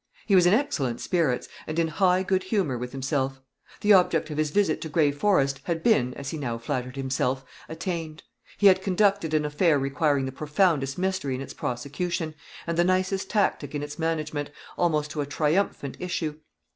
He was in excellent spirits, and in high good humor with himself: the object of his visit to Gray Forest had been, as he now flattered himself, attained. He had conducted an affair requiring the profoundest mystery in its prosecution, and the nicest tactic in its management, almost to a triumphant issue.